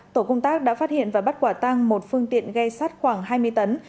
tổ công tác đã phát hiện và bắt quả tăng một phương tiện ghe sát khoảng hai mươi tấn